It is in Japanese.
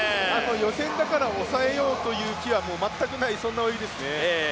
予選だから抑えようという気持ちは全くないそんな泳ぎです。